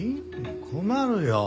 困るよ。